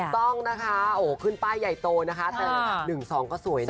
ต้องนะคะขึ้นป้ายใหญ่โตนะคะแต่๑๒ก็สวยนะ